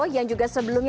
yang juga sebelumnya